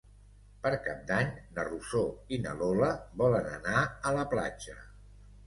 Per Cap d'Any na Rosó i na Lola volen anar a la platja.